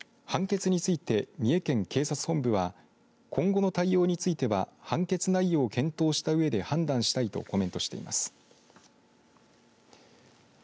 判決について三重県警察本部は今後の対応については判決内容を検討した上で判断したいとコメントしています。